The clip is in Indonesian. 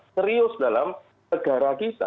serius dalam negara kita